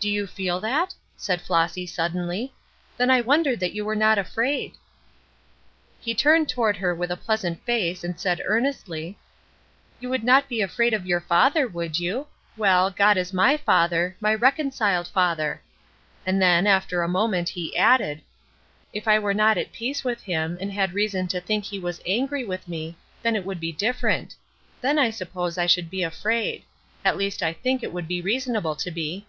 "Do you feel that?" said Flossy, suddenly. "Then I wonder that you were not afraid." He turned toward her a pleasant face and said, earnestly: "You would not be afraid of your father, would you? Well, God is my Father, my reconciled Father;" And then, after a moment, he added: "It I were not at peace with him, and had reason to think that he was angry with me, then it would be different. Then I suppose I should be afraid; at least I think it would be reasonable to be."